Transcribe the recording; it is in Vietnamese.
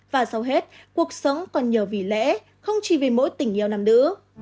và sau hết cuộc sống còn nhiều vì lẽ không chỉ vì mỗi tình yêu nam nữ